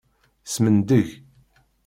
Smendeg.